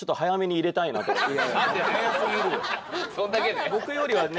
そんだけで！？